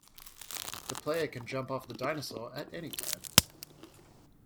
The player can jump off of the dinosaur at any time.